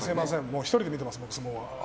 １人で見てますもん、相撲は。